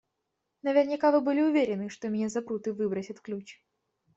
Наверняка вы были уверены, что меня запрут и выбросят ключ.